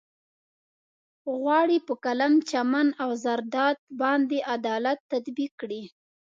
غواړي په قلم، چمن او زرداد باندې عدالت تطبيق کړي.